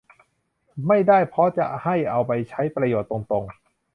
ไม่ได้เพราะจะให้เอาไปใช้ประโยชน์ตรงตรง